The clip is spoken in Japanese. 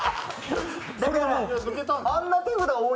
あんな手札多い